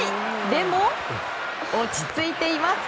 でも、落ち着いています。